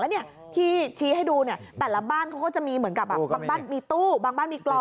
แล้วเนี่ยที่ชี้ให้ดูเนี่ยแต่ละบ้านเขาก็จะมีเหมือนกับแบบบางบ้านมีตู้บางบ้านมีกลอง